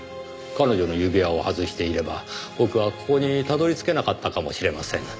彼女の指輪を外していれば僕はここに辿り着けなかったかもしれません。